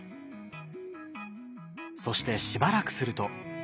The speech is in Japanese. そしてしばらくすると。